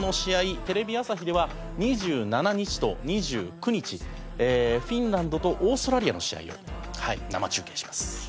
テレビ朝日では２７日と２９日フィンランドとオーストラリアの試合を生中継します。